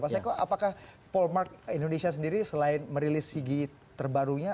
mas eko apakah polmark indonesia sendiri selain merilis cg terbarunya